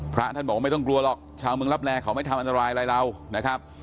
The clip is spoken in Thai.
พระท่านบอกว่าไม่ต้องกลัวหรอกชาวเมืองรับแร่เขาไม่ทำอันตรายอะไรเรานะครับ